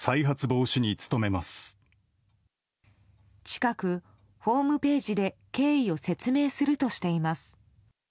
近く、ホームページで経緯を説明するとしています。